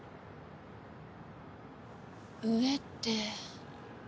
上って